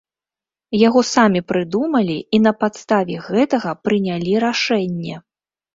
Яго самі прыдумалі і на падставе гэтага прынялі рашэнне.